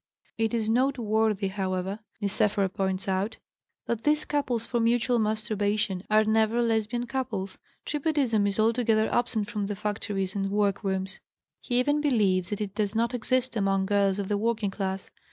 "It is noteworthy, however," Niceforo points out, "that these couples for mutual masturbation are never Lesbian couples. Tribadism is altogether absent from the factories and work rooms." He even believes that it does not exist among girls of the working class.